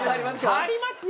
ありますよ！